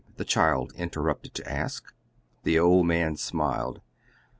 the child interrupted to ask. The old man smiled.